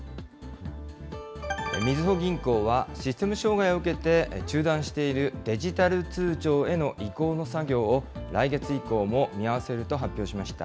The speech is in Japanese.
みずほ銀行は、システム障害を受けて、中断しているデジタル通帳への移行の作業を、来月以降も見合わせると発表しました。